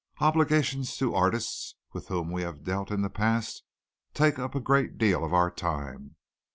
Obligations to artists with whom we have dealt in the past take up a great deal of our time.